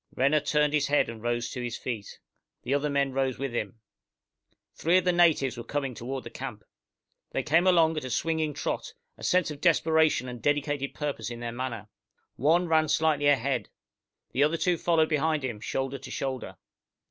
Renner turned his head, and rose to his feet. The other men rose with him. Three of the natives were coming toward the camp. They came along at a swinging trot, a sense of desperation and dedicated purpose in their manner. One ran slightly ahead. The other two followed behind him, shoulder to shoulder.